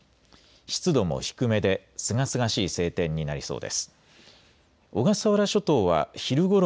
湿度も低めで、すがすがしい晴天になりそうです。